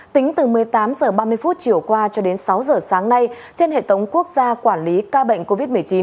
tính từ một mươi tám h ba mươi chiều qua cho đến sáu giờ sáng nay trên hệ thống quốc gia quản lý ca bệnh covid một mươi chín